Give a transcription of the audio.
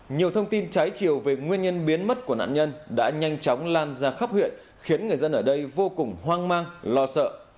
nhiều thông tin trái chiều về nguyên nhân biến mất của nạn nhân đã nhanh chóng lan ra khắp huyện khiến người dân ở đây vô cùng hoang mang lo sợ